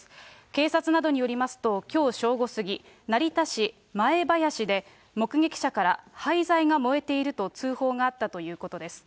警察などによりますと、きょう正午過ぎ、成田市まえばやしで目撃者から、廃材が燃えていると通報があったということです。